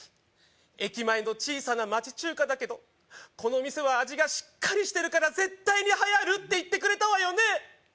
駅前の小さな町中華だけどこの店は味がしっかりしてるから絶対にはやるって言ってくれたわよね